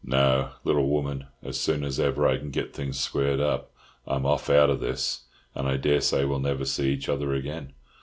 No, little woman, as soon as ever I can get things squared up, I'm off out of this, and I dare say we'll never see each other again.